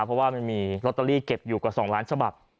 เพราะว่ามันมีลอตเตอรี่เก็บอยู่กว่า๒ล้านฉบับ